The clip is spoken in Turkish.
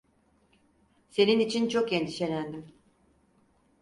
Senin için çok endişelendim.